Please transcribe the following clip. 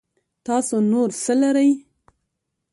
تاسو نور څه لرئ